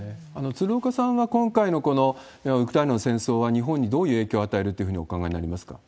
鶴岡さんは、今回のこのウクライナの戦争は、日本にどういう影響を与えるというふうにお考えになりますか？